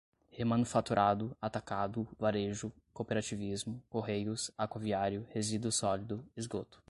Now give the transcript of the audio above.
remanufaturado, atacado, varejo, cooperativismo, correios, aquaviário, resíduo sólido, esgoto